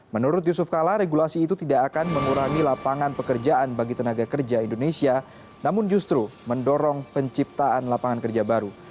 menurut yusuf kala regulasi itu tidak akan mengurangi lapangan pekerjaan bagi tenaga kerja indonesia namun justru mendorong penciptaan lapangan kerja baru